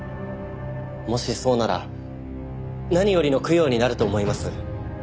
もしそうなら何よりの供養になると思います。